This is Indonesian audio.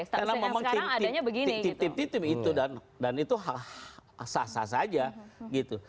karena memang tim tim itu dan itu sah sah saja gitu